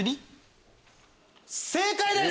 正解です！